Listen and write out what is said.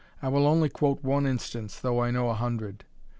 I will only quote one instance, though I know a hundred.